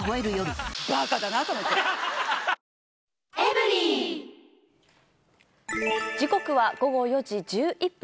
「ビオレ」時刻は午後４時１１分。